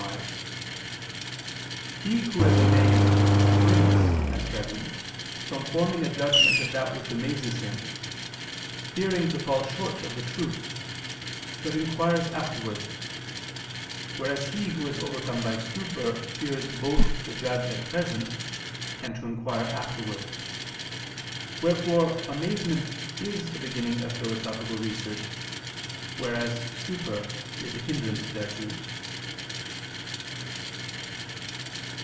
5: He who is amazed shrinks at present from forming a judgment of that which amazes him, fearing to fall short of the truth, but inquires afterwards: whereas he who is overcome by stupor fears both to judge at present, and to inquire afterwards. Wherefore amazement is a beginning of philosophical research: whereas stupor is a hindrance thereto.